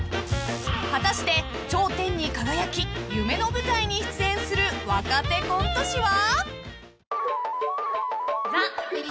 ［果たして頂点に輝き夢の舞台に出演する若手コント師は！？］